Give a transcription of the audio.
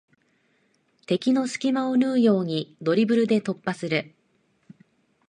敵の隙間を縫うようにドリブルで突破する